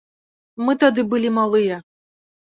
Мы тады былі малыя.